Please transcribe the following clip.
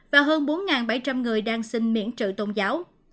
và hơn bốn bảy trăm linh người đang xin miễn trợ tôn giáo